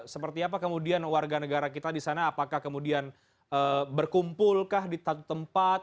seperti apa kemudian warga negara kita di sana apakah kemudian berkumpulkah di satu tempat